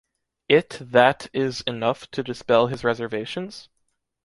It that is enough to dispel his reservations?